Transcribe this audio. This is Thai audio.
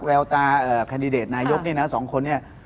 แววตาคันดิเดตนายกสองคนนี้